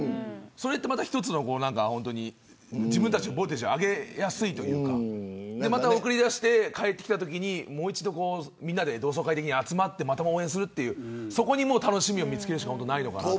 それって１つの自分たちのボルテージを上げやすいというかまた送り出して帰ってきたときに、もう一度同窓会的に集まってまた応援するというそこに楽しみを見つけるしかないのかなと。